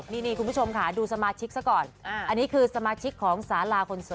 นี่คุณผู้ชมค่ะดูสมาชิกซะก่อนอันนี้คือสมาชิกของสาราคนโสด